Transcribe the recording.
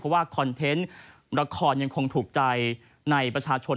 เพราะว่าคอนเทนต์ละครยังคงถูกใจในประชาชน